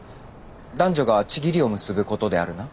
男女が契りを結ぶことであるな。